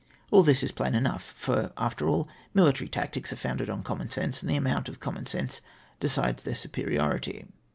All this is plain enough ; for, after all, military tactics are founded on common sense, and the amount of common sense decides then superiority.